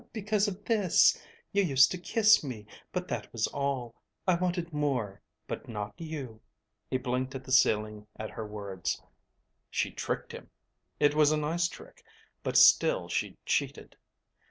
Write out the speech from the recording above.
"Because of this. You used to kiss me, but that was all. I wanted more, but not you." He blinked at the ceiling at her words. She'd tricked him! It was a nice trick, but still she'd cheated.